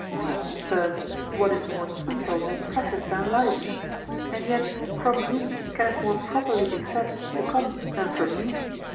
For first, what is more sweet or more precious than life? And yet from whom can it more properly be said to come than from me?